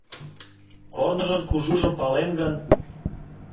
Корныжын кужужым палем гын